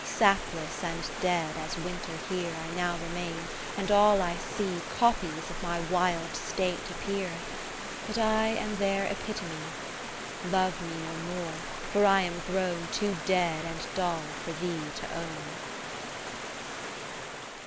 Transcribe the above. IV Sapless and dead as Winter here I now remain, and all I see 20 Copies of my wild state appear, But I am their epitome. Love me no more, for I am grown Too dead and dull for thee to own.